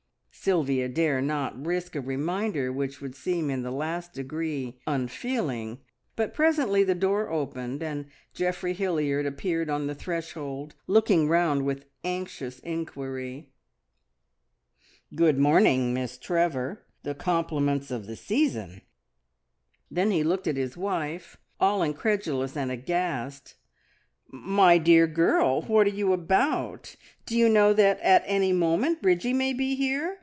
Sylvia dare not risk a reminder which would seem in the last degree unfeeling, but presently the door opened, and Geoffrey Hilliard appeared on the threshold, looking round with anxious inquiry. "Good morning, Miss Trevor. The compliments of the season." Then he looked at his wife, all incredulous and aghast. "My dear girl, what are you about? Do you know that at any moment Bridgie may be here?